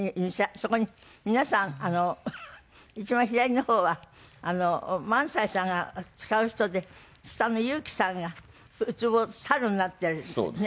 そこに皆さん一番左の方は萬斎さんが使う人で下の裕基さんが靫猿になっているんですね。